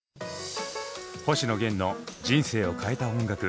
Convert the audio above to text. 星野源の人生を変えた音楽。